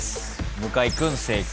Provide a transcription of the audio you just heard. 向井君正解。